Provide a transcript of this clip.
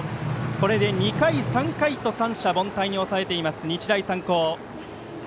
これで２回、３回と三者凡退に抑えている日大三高。